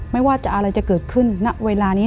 ไม่ว่าอะไรจะเกิดขึ้นณเวลานี้